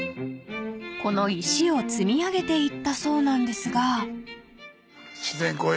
［この石を積み上げていったそうなんですが］